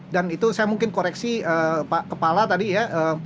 dan itu saya mungkin koreksi pak kepala tadi ya